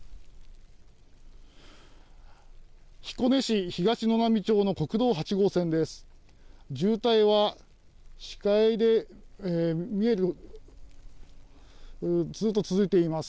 彦根市東沼波町の国道８号線です。